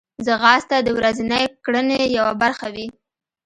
ځغاسته د ورځنۍ کړنې یوه برخه وي